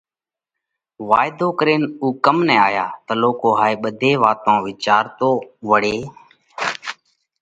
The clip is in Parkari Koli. وائيڌو ڪرينَ اُو ڪم نہ آيا؟ تلُوڪو هائي ٻڌي واتون وِيچارتون وۯي